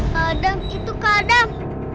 kadam itu kadam